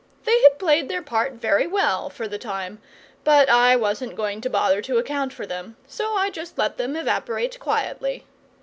They had played their part very well, for the time, but I wasn't going to bother to account for them, so I just let them evaporate quietly.